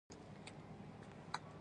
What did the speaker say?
آیا پښتون د دښمنۍ اصول نلري؟